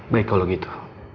baik kalau gitu